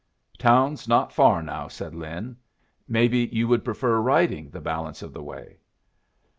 "Town's not far now," said Lin. "Maybe you would prefer riding the balance of the way?"